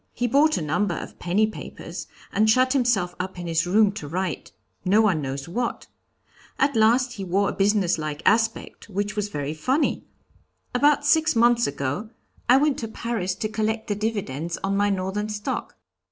He bought a number of penny papers, and shut himself up in his room to write no one knows what. At last he wore a business like aspect, which was very funny. About six months ago I went to Paris to collect the dividends on my Northern stock."